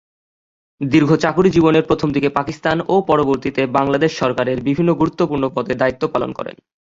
দীর্ঘ চাকুরি জীবনের প্রথমদিকে পাকিস্তান ও পরবর্তীতে বাংলাদেশ সরকারের বিভিন্ন গুরুত্বপূর্ণ পদে দায়িত্ব পালন করেন।